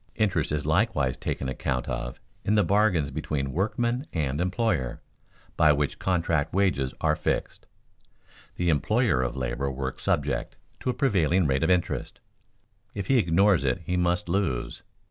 Interest is likewise taken account of in the bargains between workman and employer, by which contract wages are fixed. The employer of labor works subject to a prevailing rate of interest. If he ignores it he must lose.